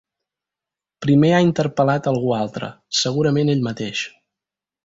Primer ha interpel·lat algú altre, segurament ell mateix.